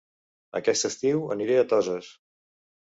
Aquest estiu aniré a Toses